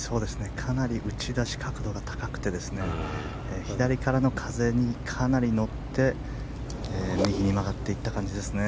かなり打ち出し、角度が高くて左からの風にかなり乗って右に曲がっていった感じですね。